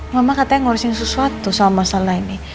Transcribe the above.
mama katanya ngurusin sesuatu sama masalah ini